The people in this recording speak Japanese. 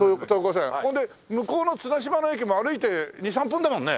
それで向こうの綱島の駅も歩いて２３分だもんね。